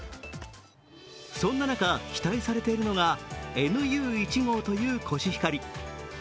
そんな中、期待されているのがＮＵ１号というコシヒカリ。